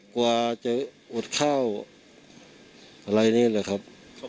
กว่าจะอดข้าวอะไรนี่แหละครับ